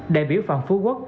đại biểu phạm phú quốc